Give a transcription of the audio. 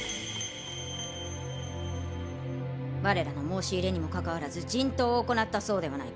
我らの申し入れにもかかわらず人痘を行ったそうではないか！